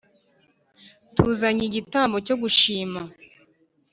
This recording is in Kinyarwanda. tuzanye igitambo cyo gushima